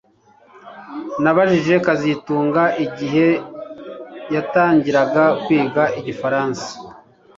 Nabajije kazitunga igihe yatangiraga kwiga igifaransa